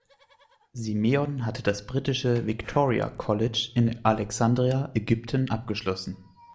Simeon hat das britische "Victoria College" in Alexandria, Ägypten, abgeschlossen.